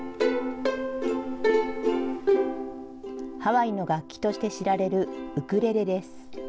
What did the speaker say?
ハワイの楽器として知られるウクレレです。